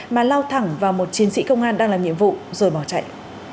mà lao thẳng vào một chiến sĩ công an đang làm nhiệm vụ rồi bỏ chạy